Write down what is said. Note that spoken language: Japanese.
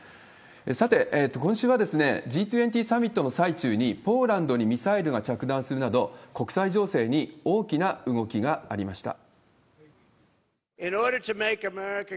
さて、今週はＧ２０サミットの最中にポーランドにミサイルが着弾するなど、国際情勢に大きな動きがありました。